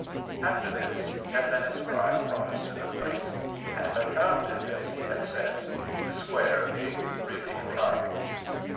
After this, ten minutes' drive brought us to the place, and I found it as he had said, the 'square' being really a triangle.